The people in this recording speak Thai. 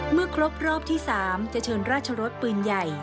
เมื่อครบรอบที่๓จะเชิญราชรสปืนใหญ่